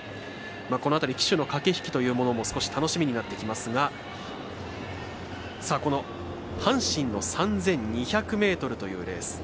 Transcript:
この辺り騎手の駆け引きというものも楽しみになってきますがこの阪神の３２００ｍというレース。